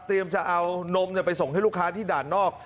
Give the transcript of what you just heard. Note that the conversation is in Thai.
จะเอานมไปส่งให้ลูกค้าที่ด่านนอก